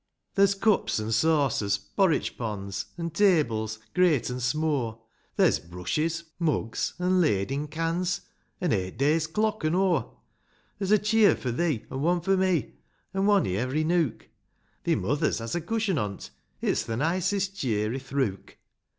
VI. There's cnps an' saucers ; porritch pons,' An' tables, greyt an' smo' ; There's brushes, mugs, an' ladin' cans; An eight day's clock an' o'; There's a cheer^ for thee, an' one for me, An' one i' every nook ; Thi mother's has a cushion on't, — It's th' nicest cheer i'th rook.